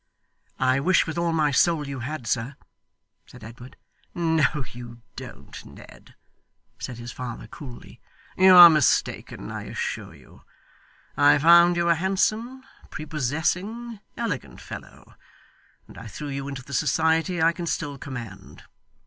'I wish with all my soul you had, sir,' said Edward. 'No you don't, Ned,' said his father coolly; 'you are mistaken, I assure you. I found you a handsome, prepossessing, elegant fellow, and I threw you into the society I can still command.